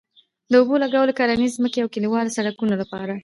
د اوبه لګولو، کرنيزو ځمکو او کلیوالو سړکونو لپاره